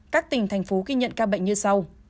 các tỉnh thành phố ghi nhận ca bệnh như sau